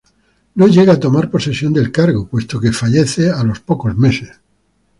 No llega a tomar posesión del cargo puesto que fallece a los pocos meses.